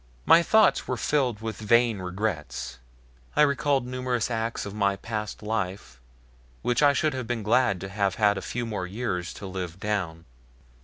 My thoughts were filled with vain regrets. I recalled numerous acts of my past life which I should have been glad to have had a few more years to live down.